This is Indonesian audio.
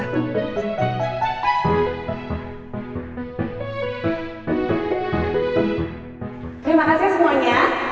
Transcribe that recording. terima kasih semuanya